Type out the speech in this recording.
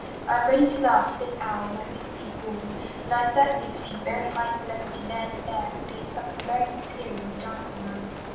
I am ready to laugh to this hour when I think of these balls, and I certainly obtained very high celebrity then and there for being something very superior in the dancing line."